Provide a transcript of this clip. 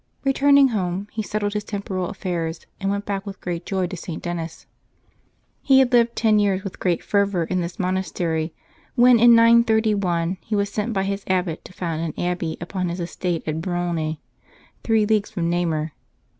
Eeturning home he settled his temporal affairs, and went back with great joy to St. Denis'. He had lived ten 5'ears with great fervor in this monastery, when in 931 he was sent by his abbot to found an abbey upon his estate at Brogne, three leagues from Xamur.